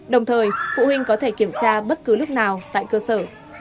đồng thời phụ huynh có thể kiểm tra bất cứ lúc nào tại cơ sở